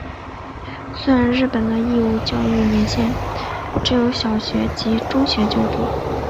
虽然日本的义务教育年限只有小学及中学校就读。